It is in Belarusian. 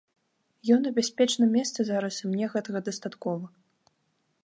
Ён у бяспечным месцы зараз, і мне гэтага дастаткова.